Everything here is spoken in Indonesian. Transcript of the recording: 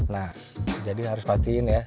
nah jadi harus matiin ya